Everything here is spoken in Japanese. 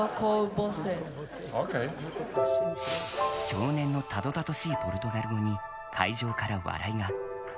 少年のたどたどしいポルトガル語に会場から笑いが。